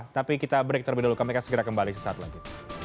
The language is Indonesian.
tapi kita break terlebih dahulu kami akan segera kembali sesaat lagi